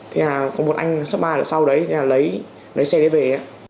thế là có một anh sấp ba sau đấy thì lấy xe đấy về